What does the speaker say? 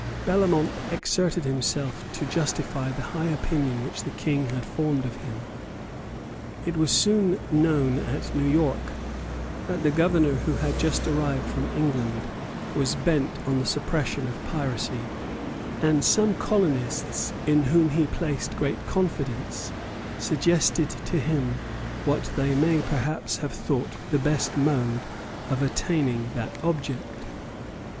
Bellamont exerted himself to justify the high opinion which the King had formed of him. It was soon known at New York that the Governor who had just arrived from England was bent on the suppression of piracy; and some colonists in whom he placed great confidence suggested to him what they may perhaps have thought the best mode of attaining that object.